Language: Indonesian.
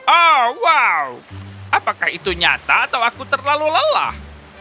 oh wow apakah itu nyata atau aku terlalu lelah